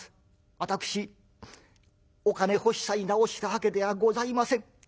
私お金欲しさに治したわけではございません。